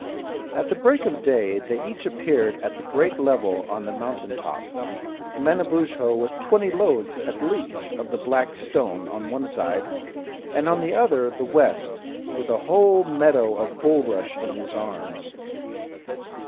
At the break of day they each appeared at the great level on the mountain top, Manabozho with twenty loads, at least, of the black stone, on one side, and on the other the West, with a whole meadow of bulrush in his arms.